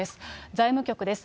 財務局です。